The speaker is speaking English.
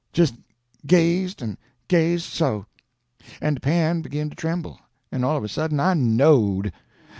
jist gazed an' gazed so; an' de pan begin to tremble, an' all of a sudden I knowed!